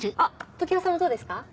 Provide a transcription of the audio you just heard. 常葉さんもどうですか？